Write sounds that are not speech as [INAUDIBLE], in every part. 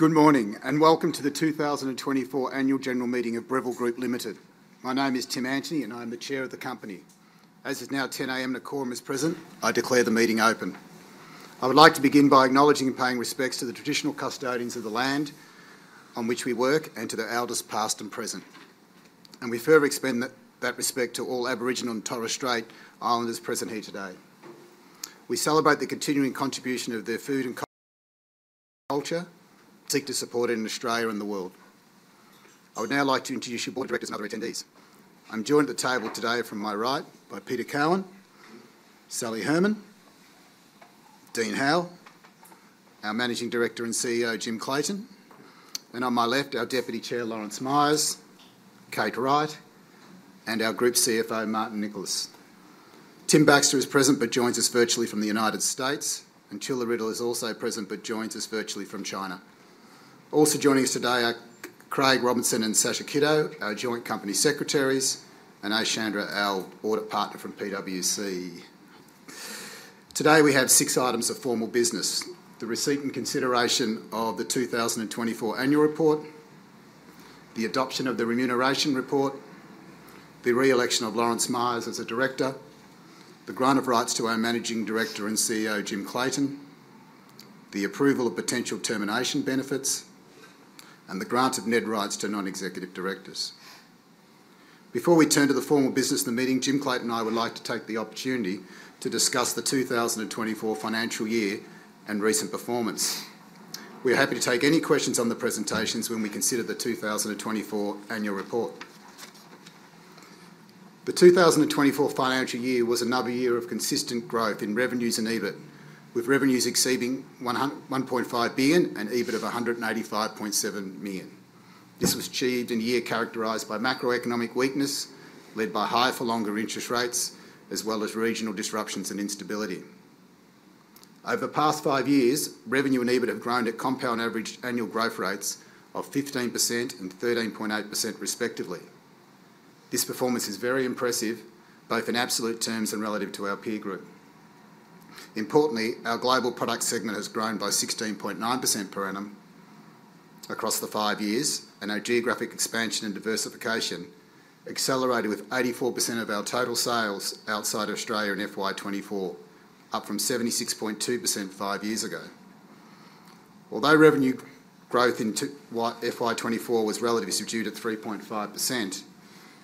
Good morning and welcome to the 2024 Annual General Meeting of Breville Group Limited. My name is Tim Antonie and I am the Chair of the company. As it is now 10:00 A.M. and the quorum is present, I declare the meeting open. I would like to begin by acknowledging and paying respects to the traditional custodians of the land on which we work and to their elders past and present. And we further extend that respect to all Aboriginal and Torres Strait Islanders present here today. We celebrate the continuing contribution of their food and culture. Seek to support it in Australia and the world. I would now like to introduce your board of directors and other attendees. I'm joined at the table today from my right by Peter Cowan, Sally Herman, Dean Howell, our Managing Director and CEO, Jim Clayton, and on my left, our Deputy Chair, Lawrence Myers, Kate Wright, and our Group CFO, Martin Nicholas. Tim Baxter is present but joins us virtually from the United States, and Tuula Rytila is also present but joins us virtually from China. Also joining us today are Craig Robinson and Sasha Kitto, our Joint Company Secretaries, and Ashan Seneviratne, Audit Partner from PwC. Today we have six items of formal business: the receipt and consideration of the 2024 Annual Report, the adoption of the remuneration report, the re-election of Lawrence Myers as a Director, the grant of rights to our Managing Director and CEO, Jim Clayton, the approval of potential termination benefits, and the grant of net rights to non-executive directors. Before we turn to the formal business of the meeting, Jim Clayton and I would like to take the opportunity to discuss the 2024 financial year and recent performance. We are happy to take any questions on the presentations when we consider the 2024 Annual Report. The 2024 financial year was another year of consistent growth in revenues and EBIT, with revenues exceeding 1.5 billion and EBIT of 185.7 million. This was achieved in a year characterized by macroeconomic weakness led by higher-for-longer interest rates, as well as regional disruptions and instability. Over the past five years, revenue and EBIT have grown at compound average annual growth rates of 15% and 13.8% respectively. This performance is very impressive, both in absolute terms and relative to our peer group. Importantly, our global product segment has grown by 16.9% per annum across the five years, and our geographic expansion and diversification accelerated with 84% of our total sales outside of Australia in FY24, up from 76.2% five years ago. Although revenue growth in FY24 was relatively subdued at 3.5%,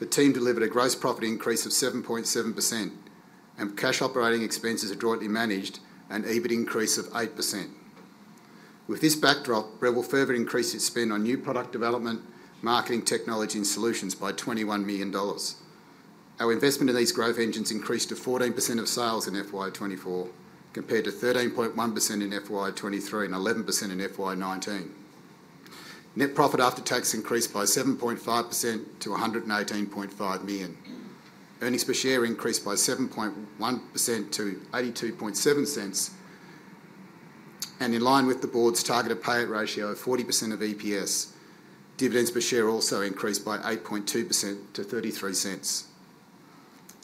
the team delivered a gross profit increase of 7.7%, and cash operating expenses are jointly managed, and EBIT increase of 8%. With this backdrop, Breville further increased its spend on new product development, marketing technology, and solutions by 21 million dollars. Our investment in these growth engines increased to 14% of sales in FY24, compared to 13.1% in FY23 and 11% in FY19. Net profit after tax increased by 7.5% to 118.5 million. Earnings per share increased by 7.1% to 0.827, and in line with the board's targeted payout ratio of 40% of EPS, dividends per share also increased by 8.2% to 0.33.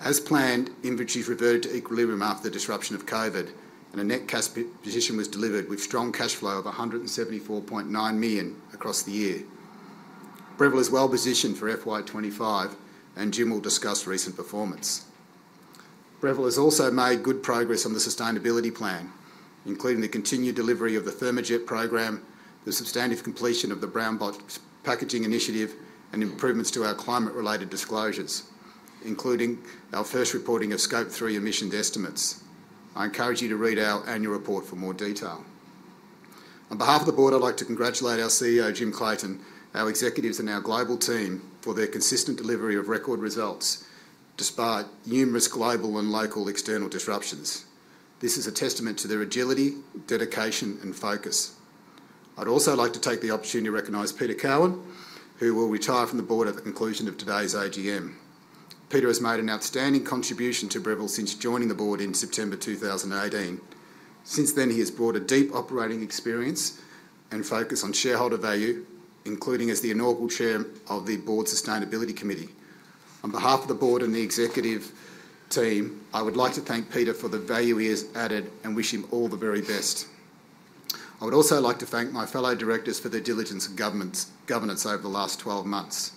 As planned, inventories reverted to equilibrium after the disruption of COVID, and a net cash position was delivered with strong cash flow of 174.9 million across the year. Breville is well positioned for FY25, and Jim will discuss recent performance. Breville has also made good progress on the sustainability plan, including the continued delivery of the ThermaJet program, the substantive completion of the brown box packaging initiative, and improvements to our climate-related disclosures, including our first reporting of Scope 3 emissions estimates. I encourage you to read our annual report for more detail. On behalf of the board, I'd like to congratulate our CEO, Jim Clayton, our executives, and our global team for their consistent delivery of record results despite numerous global and local external disruptions. This is a testament to their agility, dedication, and focus. I'd also like to take the opportunity to recognize Peter Cowan, who will retire from the board at the conclusion of today's AGM. Peter has made an outstanding contribution to Breville since joining the board in September 2018. Since then, he has brought a deep operating experience and focus on shareholder value, including as the inaugural chair of the Board Sustainability Committee. On behalf of the board and the executive team, I would like to thank Peter for the value he has added and wish him all the very best. I would also like to thank my fellow directors for their diligence and governance over the last 12 months.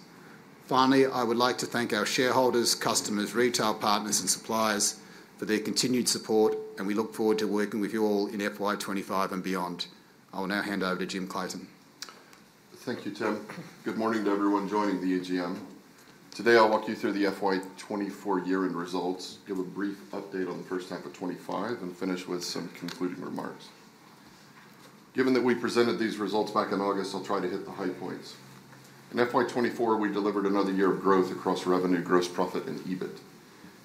Finally, I would like to thank our shareholders, customers, retail partners, and suppliers for their continued support, and we look forward to working with you all in FY25 and beyond. I will now hand over to Jim Clayton. Thank you, Tim. Good morning to everyone joining the AGM. Today, I'll walk you through the FY24 year-end results, give a brief update on the first half of 2025, and finish with some concluding remarks. Given that we presented these results back in August, I'll try to hit the high points. In FY24, we delivered another year of growth across revenue, gross profit, and EBIT.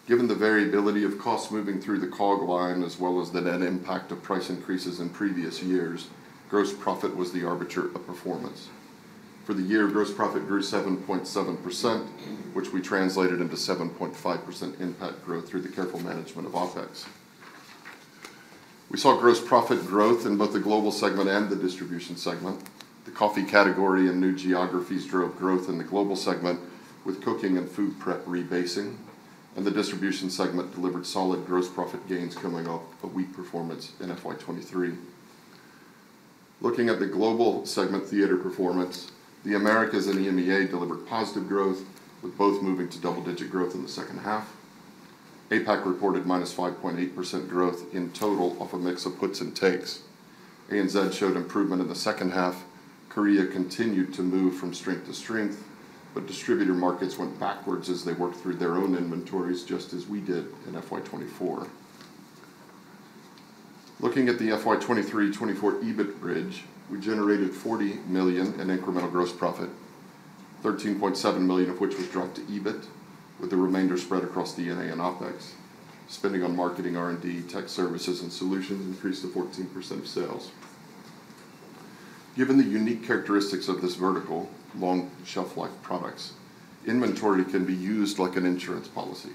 Given the variability of costs moving through the COGS line, as well as the net impact of price increases in previous years, gross profit was the arbiter of performance. For the year, gross profit grew 7.7%, which we translated into 7.5% impact growth through the careful management of OPEX. We saw gross profit growth in both the global segment and the distribution segment. The coffee category and new geographies drove growth in the global segment with cooking and food prep rebasing, and the distribution segment delivered solid gross profit gains coming off a weak performance in FY23. Looking at the global segment theatre performance, the Americas and EMEA delivered positive growth, with both moving to double-digit growth in the second half. APAC reported minus 5.8% growth in total off a mix of puts and takes. ANZ showed improvement in the second half. Korea continued to move from strength to strength, but distributor markets went backwards as they worked through their own inventories, just as we did in FY24. Looking at the FY23-24 EBIT bridge, we generated 40 million in incremental gross profit, 13.7 million of which was dropped to EBIT, with the remainder spread across DNA and OPEX. Spending on marketing, R&D, tech services, and solutions increased to 14% of sales. Given the unique characteristics of this vertical, long shelf-life products, inventory can be used like an insurance policy.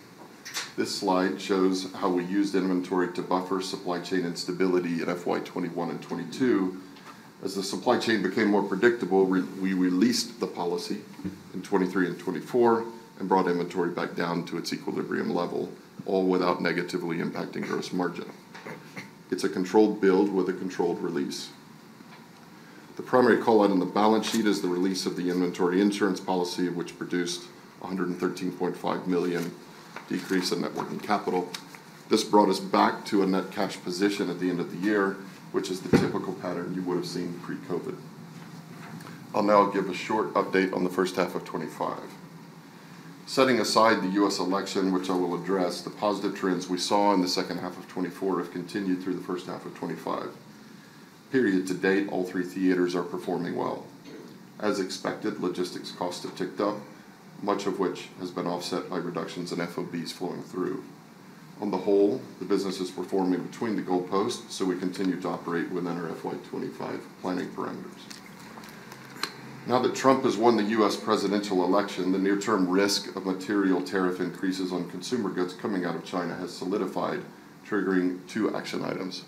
This slide shows how we used inventory to buffer supply chain instability in FY 2021 and 2022. As the supply chain became more predictable, we released the policy in 2023 and 2024 and brought inventory back down to its equilibrium level, all without negatively impacting gross margin. It's a controlled build with a controlled release. The primary callout on the balance sheet is the release of the inventory insurance policy, which produced a 113.5 million decrease in net working capital. This brought us back to a net cash position at the end of the year, which is the typical pattern you would have seen pre-COVID. I'll now give a short update on the first half of 2025. Setting aside the U.S. election, which I will address. The positive trends we saw in the second half of 2024 have continued through the first half of 2025. Period to date, all three theatres are performing well. As expected, logistics costs have ticked up, much of which has been offset by reductions in FOBs flowing through. On the whole, the business is performing between the goalposts, so we continue to operate within our FY25 planning parameters. Now that Trump has won the U.S. presidential election, the near-term risk of material tariff increases on consumer goods coming out of China has solidified, triggering two action items.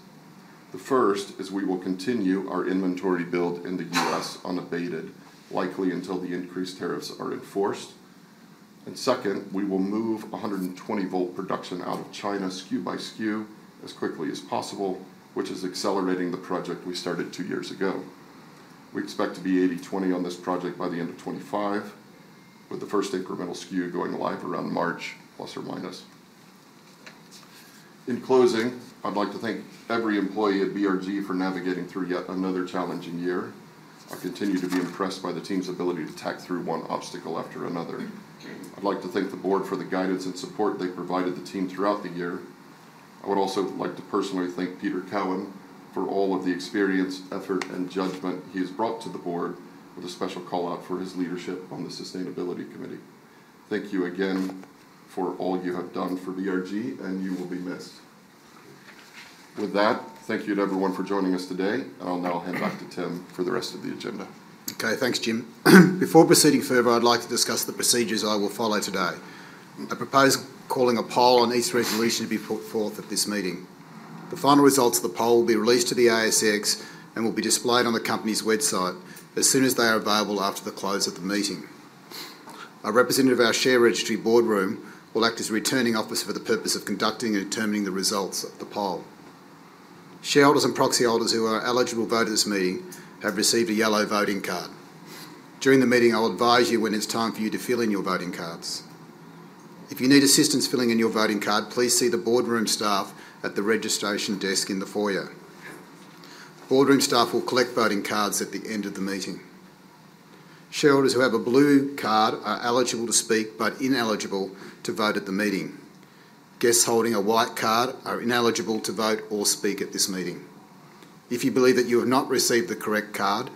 The first is we will continue our inventory build in the U.S. unabated, likely until the increased tariffs are enforced. And second, we will move 120-volt production out of China SKU by SKU as quickly as possible, which is accelerating the project we started two years ago. We expect to be 80/20 on this project by the end of 2025, with the first incremental SKU going live around March, plus or minus. In closing, I'd like to thank every employee at BRG for navigating through yet another challenging year. I continue to be impressed by the team's ability to tack through one obstacle after another. I'd like to thank the board for the guidance and support they provided the team throughout the year. I would also like to personally thank Peter Cowan for all of the experience, effort, and judgment he has brought to the board, with a special callout for his leadership on the Sustainability Committee. Thank you again for all you have done for BRG, and you will be missed. With that, thank you to everyone for joining us today, and I'll now hand back to Tim for the rest of the agenda. Okay, thanks, Jim. Before proceeding further, I'd like to discuss the procedures I will follow today. I propose calling a poll on each resolution to be put forth at this meeting. The final results of the poll will be released to the ASX and will be displayed on the company's website as soon as they are available after the close of the meeting. A representative of our share registry Boardroom will act as returning officer for the purpose of conducting and determining the results of the poll. Shareholders and proxy holders who are eligible to vote at the meeting have received a yellow voting card. During the meeting, I'll advise you when it's time for you to fill in your voting cards. If you need assistance filling in your voting card, please see the Boardroom staff at the registration desk in the foyer. Boardroom staff will collect voting cards at the end of the meeting. Shareholders who have a blue card are eligible to speak but ineligible to vote at the meeting. Guests holding a white card are ineligible to vote or speak at this meeting. If you believe that you have not received the correct card,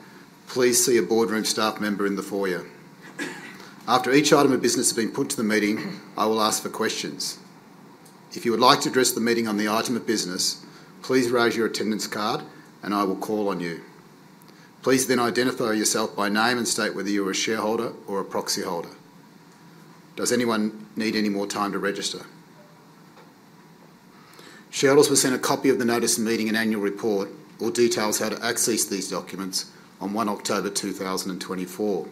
please see a Boardroom staff member in the foyer. After each item of business has been put to the meeting, I will ask for questions. If you would like to address the meeting on the item of business, please raise your attendance card, and I will call on you. Please then identify yourself by name and state whether you are a shareholder or a proxy holder. Does anyone need any more time to register? Shareholders will send a copy of the notice of meeting and annual report, or details how to access these documents, on 1 October 2024.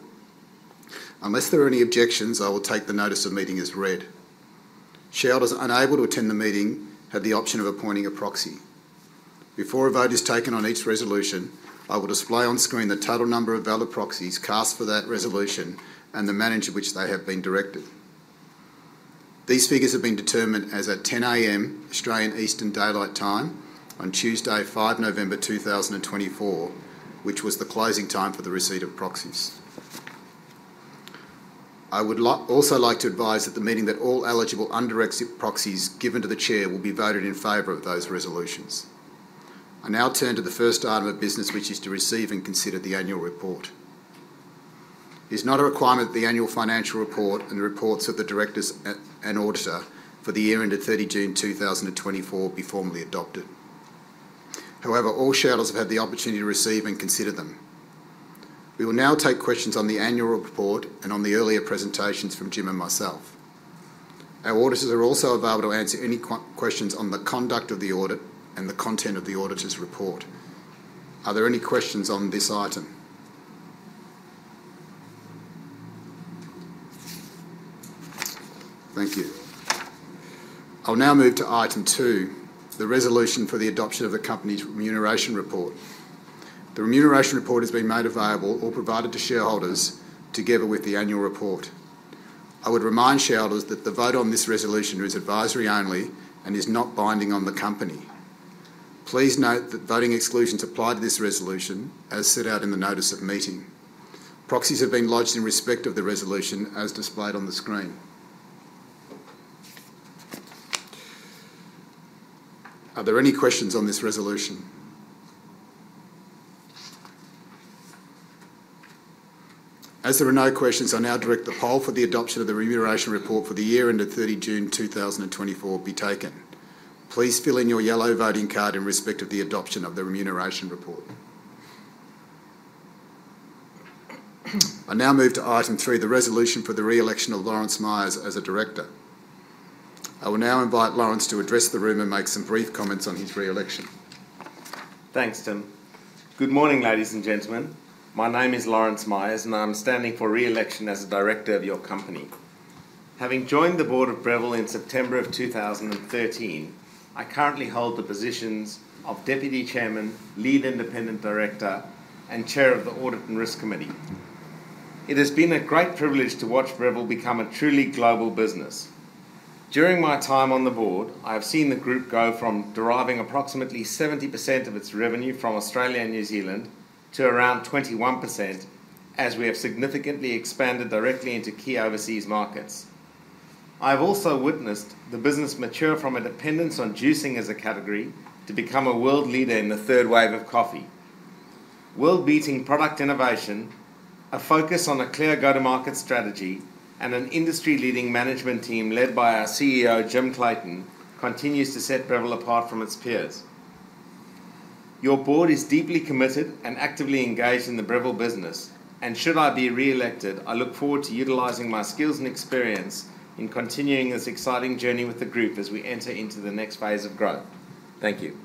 Unless there are any objections, I will take the notice of meeting as read. Shareholders unable to attend the meeting have the option of appointing a proxy. Before a vote is taken on each resolution, I will display on screen the total number of valid proxies cast for that resolution and the manner in which they have been directed. These figures have been determined as at 10:00 A.M. Australian Eastern Daylight Time on Tuesday, 5 November 2024, which was the closing time for the receipt of proxies. I would also like to advise at the meeting that all eligible undirected proxies given to the chair will be voted in favour of those resolutions. I now turn to the first item of business, which is to receive and consider the annual report. It is not a requirement that the annual financial report and the reports of the directors and auditor for the year ended 30 June 2024 be formally adopted. However, all shareholders have had the opportunity to receive and consider them. We will now take questions on the annual report and on the earlier presentations from Jim and myself. Our auditors are also available to answer any questions on the conduct of the audit and the content of the auditor's report. Are there any questions on this item? Thank you. I'll now move to item two, the resolution for the adoption of the company's remuneration report. The remuneration report has been made available or provided to shareholders together with the annual report. I would remind shareholders that the vote on this resolution is advisory only and is not binding on the company. Please note that voting exclusions apply to this resolution, as set out in the notice of meeting. Proxies have been lodged in respect of the resolution, as displayed on the screen. Are there any questions on this resolution? As there are no questions, I now direct the poll for the adoption of the remuneration report for the year end at 30 June 2024 be taken. Please fill in your yellow voting card in respect of the adoption of the remuneration report. I now move to item three, the resolution for the re-election of Lawrence Myers as a director. I will now invite Lawrence to address the room and make some brief comments on his re-election. Thanks, Tim. Good morning, ladies and gentlemen. My name is Lawrence Myers, and I'm standing for re-election as a director of your company. Having joined the board of Breville in September of 2013, I currently hold the positions of deputy chairman, lead independent director, and chair of the Audit and Risk Committee. It has been a great privilege to watch Breville become a truly global business. During my time on the board, I have seen the group go from deriving approximately 70% of its revenue from Australia and New Zealand to around 21%, as we have significantly expanded directly into key overseas markets. I have also witnessed the business mature from a dependence on juicing as a category to become a world leader in the third wave of coffee. World-beating product innovation, a focus on a clear go-to-market strategy, and an industry-leading management team led by our CEO, Jim Clayton, continues to set Breville apart from its peers. Your board is deeply committed and actively engaged in the Breville business, and should I be re-elected, I look forward to utilizing my skills and experience in continuing this exciting journey with the group as we enter into the next phase of growth. Thank you.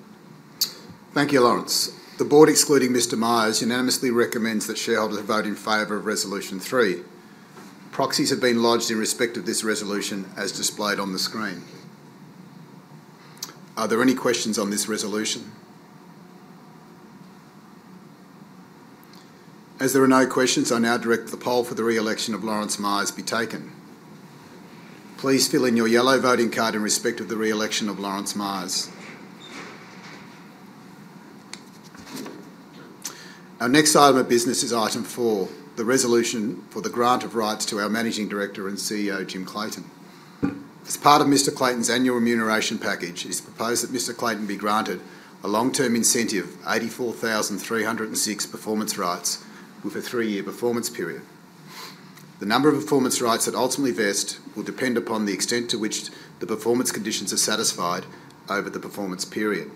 Thank you, Lawrence. The board, excluding Mr. Myers, unanimously recommends that shareholders vote in favor of resolution three. Proxies have been lodged in respect of this resolution, as displayed on the screen. Are there any questions on this resolution? As there are no questions, I now direct the poll for the re-election of Lawrence Myers be taken. Please fill in your yellow voting card in respect of the re-election of Lawrence Myers. Our next item of business is item four, the resolution for the grant of rights to our Managing Director and CEO, Jim Clayton. As part of Mr. Clayton's annual remuneration package, it is proposed that Mr. Clayton be granted a long-term incentive, 84,306 performance rights, with a three-year performance period. The number of performance rights that ultimately vest will depend upon the extent to which the performance conditions are satisfied over the performance period.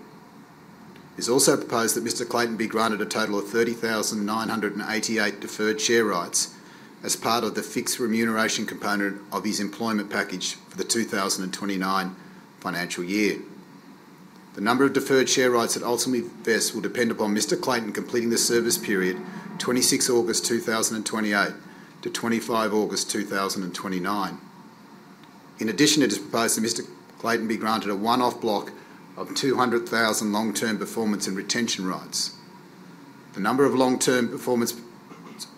It is also proposed that Mr. Clayton be granted a total of 30,988 deferred share rights as part of the fixed remuneration component of his employment package for the 2029 financial year. The number of deferred share rights that ultimately vest will depend upon Mr. Clayton completing the service period, 26 August 2028 to 25 August 2029. In addition, it is proposed that Mr. Clayton be granted a one-off block of 200,000 long-term performance and retention rights. The number of long-term performance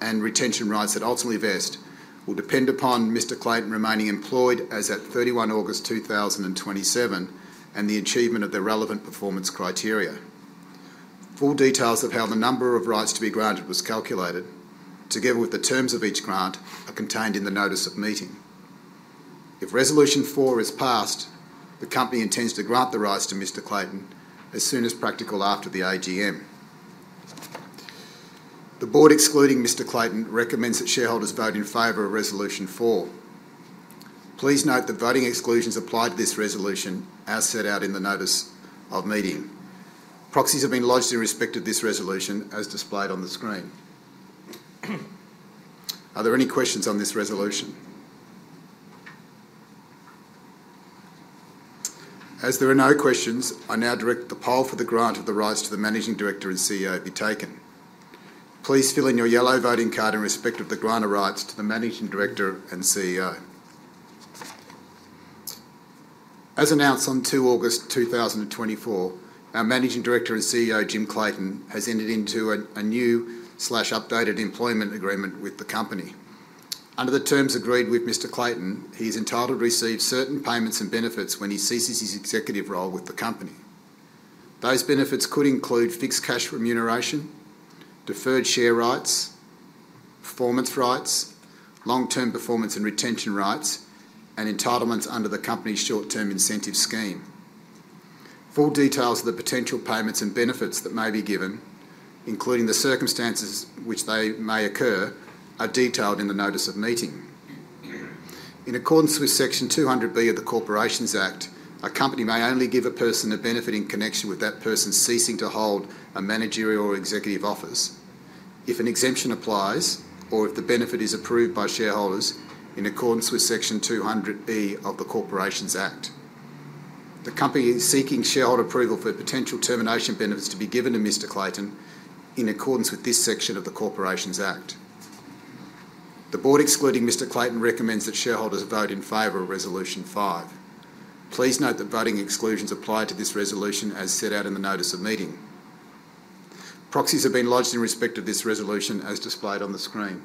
and retention rights that ultimately vest will depend upon Mr. Clayton remaining employed as at 31 August 2027 and the achievement of the relevant performance criteria. Full details of how the number of rights to be granted was calculated, together with the terms of each grant, are contained in the notice of meeting. If resolution four is passed, the company intends to grant the rights to Mr. Clayton as soon as practical after the AGM. The board, excluding Mr. Clayton, recommends that shareholders vote in favor of resolution four. Please note that voting exclusions apply to this resolution, as set out in the notice of meeting. Proxies have been lodged in respect of this resolution, as displayed on the screen. Are there any questions on this resolution? As there are no questions, I now direct the poll for the grant of the rights to the Managing Director and CEO be taken. Please fill in your yellow voting card in respect of the grant of rights to the Managing Director and CEO. As announced on 2 August 2024, our Managing Director and CEO, Jim Clayton, has entered into a new/updated employment agreement with the company. Under the terms agreed with Mr. Clayton, he is entitled to receive certain payments and benefits when he ceases his executive role with the company. Those benefits could include fixed cash remuneration, deferred share rights, performance rights, long-term performance and retention rights, and entitlements under the company's short-term incentive scheme. Full details of the potential payments and benefits that may be given, including the circumstances which they may occur, are detailed in the notice of meeting. In accordance with Section 200B of the Corporations Act, a company may only give a person a benefit in connection with that person ceasing to hold a managerial or executive office, if an exemption applies, or if the benefit is approved by shareholders in accordance with Section 200B of the Corporations Act. The company is seeking shareholder approval for potential termination benefits to be given to Mr. Clayton in accordance with this section of the Corporations Act. The board, excluding Mr. Clayton, recommends that shareholders vote in favor of resolution five. Please note that voting exclusions apply to this resolution, as set out in the notice of meeting. Proxies have been lodged in respect of this resolution, as displayed on the screen.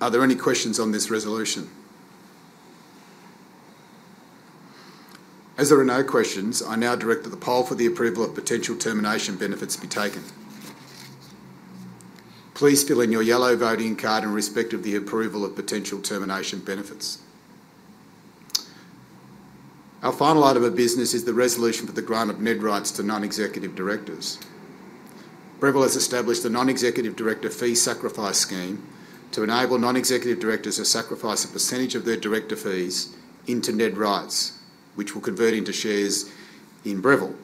Are there any questions on this resolution? As there are no questions, I now direct the poll for the approval of potential termination benefits to be taken. Please fill in your yellow voting card in respect of the approval of potential termination benefits. Our final item of business is the resolution for the grant of net rights to non-executive directors. Breville has established a non-executive director fee sacrifice scheme to enable non-executive directors to sacrifice a percentage of their director fees into net rights, which will convert into shares in Breville.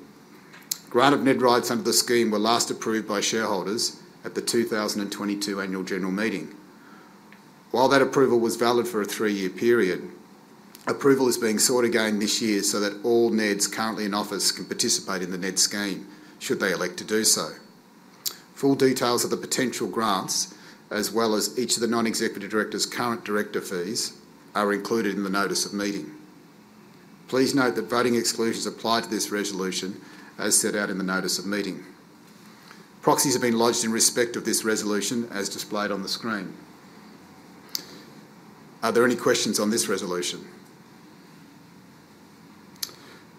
Grant of net rights under the scheme were last approved by shareholders at the 2022 annual general meeting. While that approval was valid for a three-year period, approval is being sought again this year so that all NEDs currently in office can participate in the NED scheme, should they elect to do so. Full details of the potential grants, as well as each of the non-executive director's current director fees, are included in the notice of meeting. Please note that voting exclusions apply to this resolution, as set out in the notice of meeting. Proxies have been lodged in respect of this resolution, as displayed on the screen. Are there any questions on this resolution?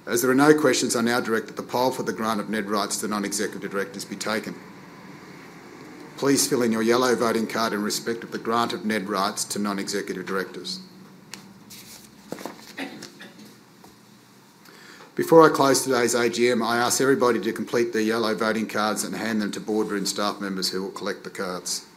As there are no questions, I now direct the poll for the grant of net rights to non-executive directors be taken. Please fill in your yellow voting card in respect of the grant of net rights to non-executive directors. Before I close today's AGM, I ask everybody to complete their yellow voting cards and hand them to boardroom staff members who will collect the cards.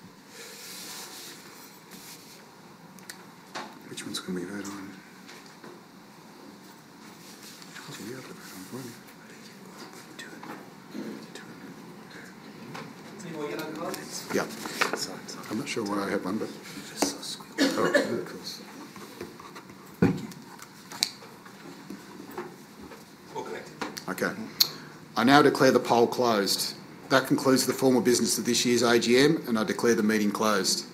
Which ones can we vote on? [AUDIO DISTORTION] [AUDIO DISTORTION] And I declare the meeting closed.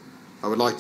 I would like.